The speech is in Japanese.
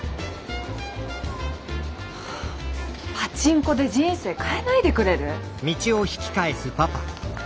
パチンコで人生変えないでくれる！？